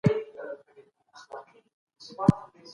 که اقليمي دلايل رد نه سي څېړنه نيمګړې ده.